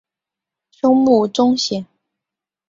松木宗显。